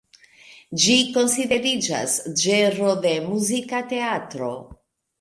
Ĝi konsideriĝas ĝenro de muzika teatro.